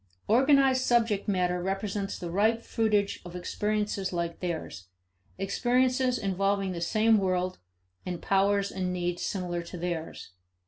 Organized subject matter represents the ripe fruitage of experiences like theirs, experiences involving the same world, and powers and needs similar to theirs.